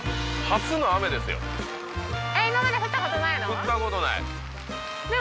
初の雨ですよええ